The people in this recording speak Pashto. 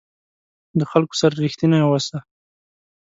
د خلکو سره رښتینی اوسه.